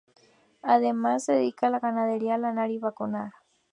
Además, se dedica a la ganadería lanar y vacuna.